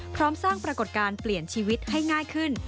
พร้อมสร้างปรากฏการณ์เปลี่ยนชีวิตให้ง่ายขึ้น